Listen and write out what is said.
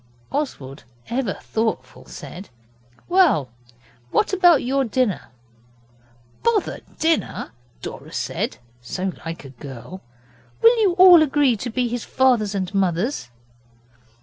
Oswald, ever thoughtful, said 'Well, what about your dinner?' 'Bother dinner!' Dora said so like a girl. 'Will you all agree to be his fathers and mothers?